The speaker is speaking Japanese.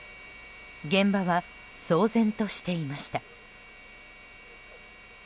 現場は騒然としていました。